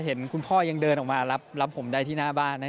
เห็นคุณพ่อยังเดินออกมารับผมได้ที่หน้าบ้าน